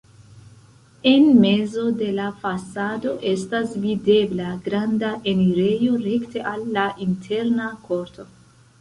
En mezo de la fasado estas videbla granda enirejo rekte al la interna korto.